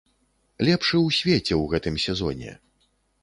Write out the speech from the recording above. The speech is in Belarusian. Лепшы ў свеце ў гэтым сезоне!